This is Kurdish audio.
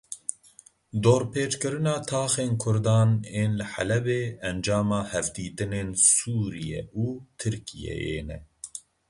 Dorpêçkirina taxên Kurdan ên li Helebê encama hevdîtinên Sûriye û Tirkiyeyê ne.